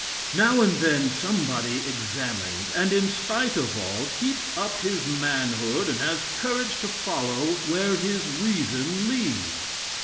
Now and then somebody examines, and, in spite of all, keeps up his manhood and has courage to follow where his reason leads.